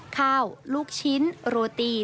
ข้าวลูกชิ้นโรตี